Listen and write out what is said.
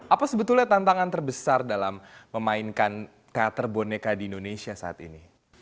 apa sebetulnya tantangan terbesar dalam memainkan teater boneka di indonesia saat ini